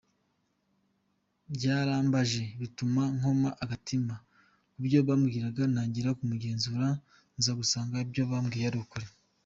Byarambaje bituma nkoma agatima kubyo babwiraga ntangira kumugenzura nzagusanga ibyo bambwiye ari ukuri.